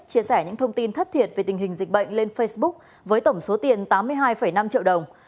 chia sẻ những thông tin thất thiệt về tình hình dịch bệnh lên facebook với tổng số tiền tám mươi hai năm triệu đồng